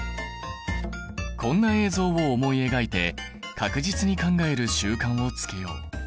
こんな映像を思い描いて確実に考える習慣をつけよう。